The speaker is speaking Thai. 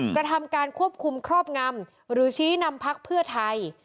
กระทำการควบคุมครอบงำหรือชี้นำพักเพื่อไทย